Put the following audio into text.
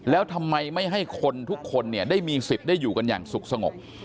แล้วทำไมไม่ให้คนทุกคนเนี่ยได้มีสิทธิ์ได้อยู่กันอย่างสุขสงบ